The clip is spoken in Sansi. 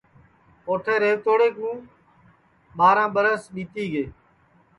اوٹھے ریہوتوڑے کُو ٻاراں ٻرس ٻِیتی گے